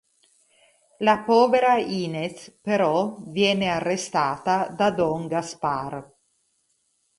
La povera Inez, però, viene arrestata da don Gaspar.